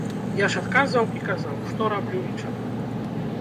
Я ж адказваў і казаў, што раблю і чаму.